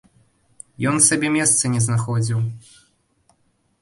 Ён сабе месца не знаходзіў.